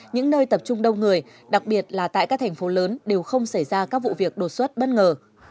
những nơi tập trung đông người đặc biệt là tại các thành phố lớn đều không xảy ra các vụ việc đột xuất bất ngờ